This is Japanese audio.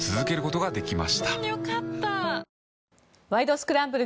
スクランブル」